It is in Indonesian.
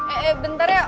eh eh bentar ya